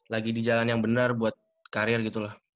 lagi di jalan yang benar buat karir gitu loh